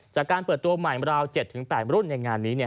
จากการเปิดตัวใหม่ราว๗๘รุ่นในงานนี้